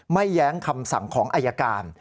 แย้งคำสั่งของอายการ